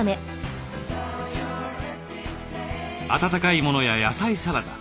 温かいものや野菜サラダ。